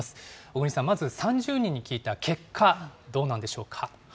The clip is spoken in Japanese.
小國さん、まず３０人に聞いた結果、どうなんでしょうか？